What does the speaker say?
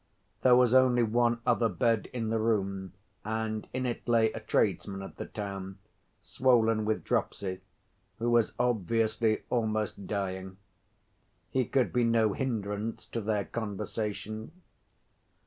There was only one other bed in the room, and in it lay a tradesman of the town, swollen with dropsy, who was obviously almost dying; he could be no hindrance to their conversation.